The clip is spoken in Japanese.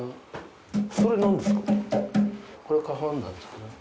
それなんですか？